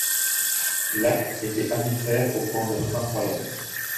L’acte était arbitraire au point d’être incroyable.